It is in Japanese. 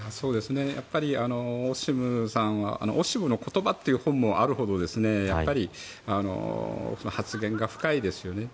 やっぱりオシムさんは「オシムの言葉」という本もあるほど発言が深いですね。